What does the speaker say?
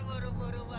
perut aman udah lewat